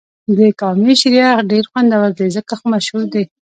د کامی شیر یخ ډېر خوندور دی ځکه خو مشهور دې.